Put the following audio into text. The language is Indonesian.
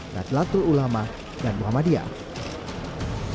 datlatul ulama dan muhammadiyah